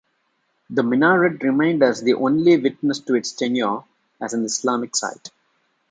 The minaret remained as the only witness to its tenure as an Islamic site.